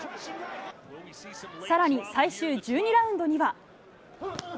更に最終１２ラウンドには。